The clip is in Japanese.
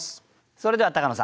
それでは高野さん